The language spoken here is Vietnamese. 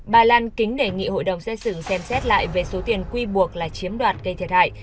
bà lan kính đề nghị hội đồng xét xử xem xét lại về số tiền quy buộc là chiếm đoạt gây thiệt hại